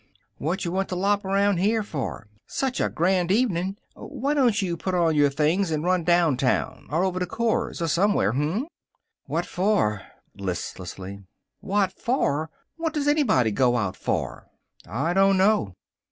"What you want to lop around here for? Such a grant evening. Why don't you put on your things and run downtown, or over to Cora's or somewhere, hm?" "What for?" listlessly. "What for! What does anybody go out for!" "I don't know."